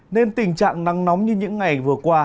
nên tình trạng nắng nóng như những ngày vừa qua